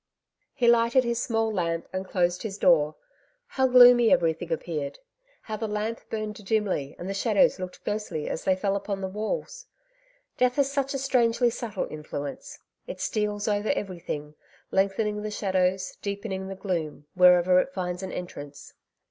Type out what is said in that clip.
He lighted his small lamp, and closed his door. How gloomy everything appeared ! how the lamp burned dimly, and the shadows looked ghostly as they fell upon the walls! Death has such a strangely subtle influence. It steals over every thing, lengthening the shadows, deepening the gloom, wherever it finds an entrance.